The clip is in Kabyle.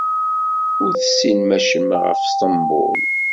Ur tessinem acemma ɣef Sṭembul.